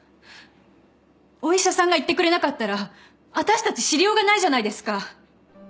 お医者さんが言ってくれなかったら私たち知りようがないじゃないですか。